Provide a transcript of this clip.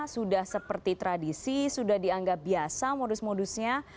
sudah seperti tradisi sudah dianggap biasa modus modusnya